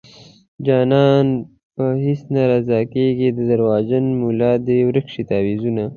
جانان په هيڅ نه رضا کيږي د دروغجن ملا دې ورک شي تعويذونه